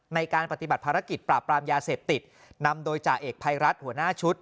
ในการปฏิบัติภารกิจปราบปรามยาเสพติดนำโดยจ่าเอกภัยรัฐหัวหน้าชุด